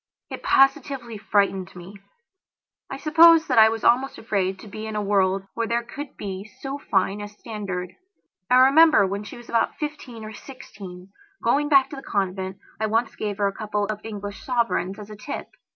It positively frightened me. I suppose that I was almost afraid to be in a world where there could be so fine a standard. I remember when she was about fifteen or sixteen on going back to the convent I once gave her a couple of English sovereigns as a tip.